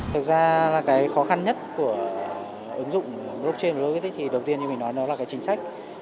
thực ra là cái khó khăn nhất của ứng dụng blockchain và logistics thì đầu tiên như mình nói đó là cái chính sách